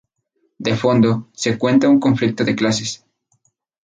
De fondo, se cuenta un conflicto de clase.